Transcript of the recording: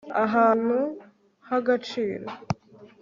ahantu h'agaciro